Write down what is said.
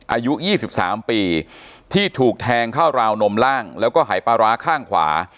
อายุ๒๓ปีที่ถูกแทงเข้าราวนมล่างแล้วก็หายปลาร้าข้างขวา